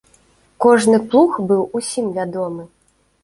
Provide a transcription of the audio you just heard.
Кожны плуг быў усім вядомы.